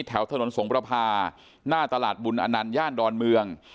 แถวถนนสงประพาหน้าตลาดบุญอนันต์ย่านดอนเมือง